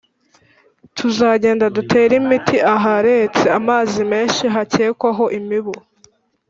tuzagenda dutera imiti n'aharetse amazi menshi hakekwa imibu